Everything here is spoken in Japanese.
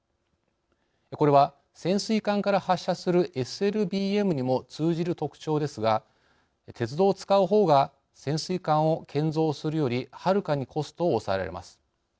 これは潜水艦から発射するＳＬＢＭにも通じる特徴ですが鉄道を使う方が潜水艦を建造するよりはるかにコストを抑えられます。